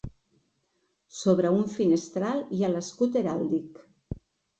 Sobre un finestral hi ha l'escut heràldic.